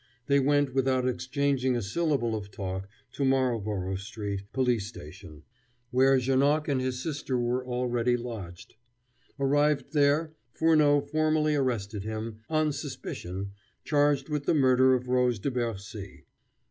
They went, without exchanging a syllable of talk, to Marlborough Street police station, where Janoc and his sister were already lodged. Arrived there, Furneaux formally arrested him, "on suspicion," charged with the murder of Rose de Bercy.